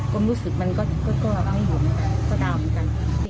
ความรู้สึกมันก็ต้องห่วงก็ดาวเหมือนกัน